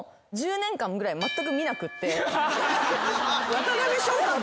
渡辺翔太